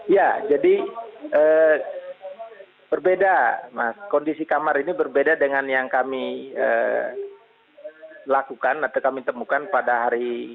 ya jadi berbeda mas kondisi kamar ini berbeda dengan yang kami lakukan atau kami temukan pada hari